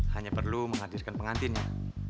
hanya perlu menghadirkan pengantinnya